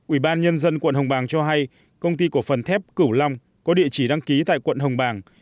ủy ban nhân dân quận hồng bàng cho hay công ty cổ phần thép cửu long có địa chỉ đăng ký tại quận hồng bàng